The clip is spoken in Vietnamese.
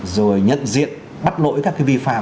rồi nhận diện bắt lỗi các cái vi phạm